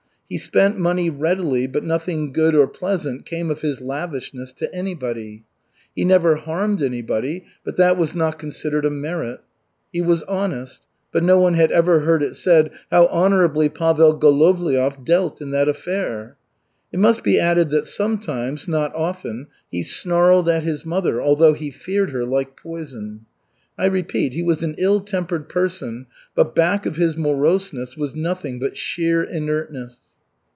He spent money readily, but nothing good or pleasant came of his lavishness to anybody. He never harmed anybody, but that was not considered a merit. He was honest, but no one had ever heard it said: "How honorably Pavel Golovliov dealt in that affair!" It must be added that sometimes, not often, he snarled at his mother, although he feared her like poison. I repeat, he was an ill tempered person, but back of his moroseness was nothing but sheer inertness.